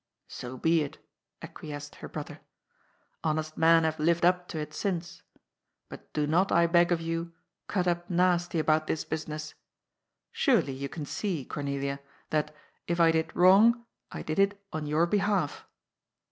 " So be it," acquiesced her brother. " Honest men have lived up to it since. But do not, I beg of you, cut up nasty about this business. Surely, you can see, Cornelia, that, if I did wrong, I did it on your behalf."